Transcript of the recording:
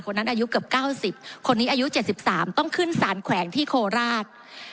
คนนั้นอายุเกือบเก้าสิบคนนี้อายุเจ็ดสิบสามต้องขึ้นสารแขวงที่โคราช